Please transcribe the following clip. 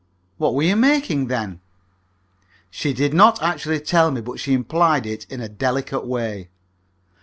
What were you making, then?" She did not actually tell me, but she implied it in a delicate way.